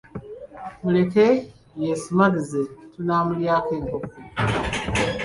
Muleke yeesumagize tunaamulyako enkoko.